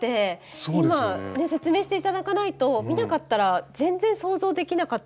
今ね説明して頂かないと見なかったら全然想像できなかったです。